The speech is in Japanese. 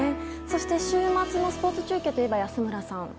そして、週末のスポーツ中継といえば、安村さん。